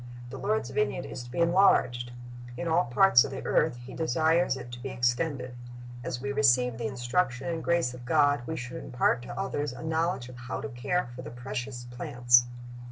The Lord's vineyard is to be enlarged. In all parts of the earth He desires it to be extended. As we receive the instruction and grace of God, we should impart to others a knowledge of how to care for the precious plants.